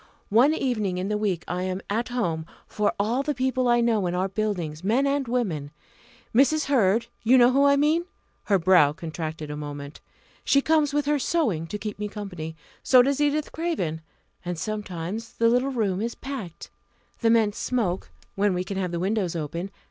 One evening in the week I am 'at home' for all the people I know in our Buildings men and women. Mrs. Hurd you know who I mean?" her brow contracted a moment "she comes with her sewing to keep me company; so does Edith Craven; and sometimes the little room is packed. The men smoke when we can have the windows open!